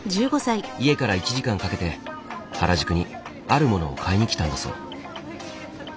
家から１時間かけて原宿にあるものを買いに来たんだそう。